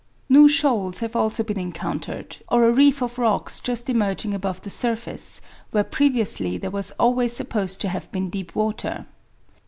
New shoals have also been encountered, or a reef of rocks just emerging above the surface, where previously there was always supposed to have been deep water.